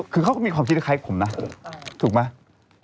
คือเขาก็มีความคิดคล้ายผมนะถูกไหม